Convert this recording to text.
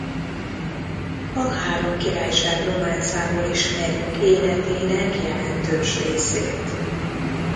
A három királyság románcából ismerjük életének jelentős részét.